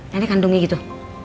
nenek kandungnya gitu